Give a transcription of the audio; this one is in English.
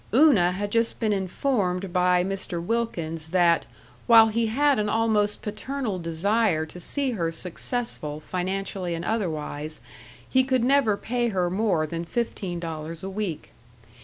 Una had just been informed by Mr. Wilkins that, while he had an almost paternal desire to see her successful financially and otherwise, he could never pay her more than fifteen dollars a week.